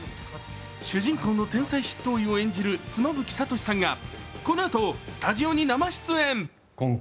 主人公の天才執刀医を演じる妻夫木聡さんがこのあとスタジオに生出演。